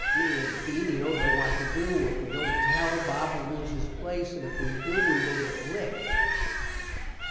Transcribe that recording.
me and Beany dont know what to do. if we dont tell, Bob will lose his place and if we do we will get licked.